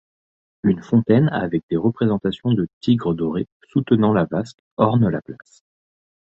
Une fontaine avec des représentations de tigres dorés, soutenant la vasque, orne la place.